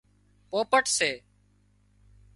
پوپٽ سي